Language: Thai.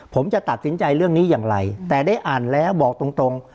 ผมจะตัดสินใจเรื่องนี้อย่างไรแต่ได้อ่านแล้วบอกตรงตรง